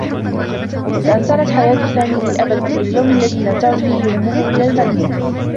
تأثّرت حياة سامي للأبد منذ اليوم الذي لم تعد فيه أمّه إلى المنزل.